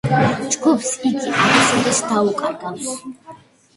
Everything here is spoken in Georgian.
ჯგუფს იგი არასოდეს დაუკრავს.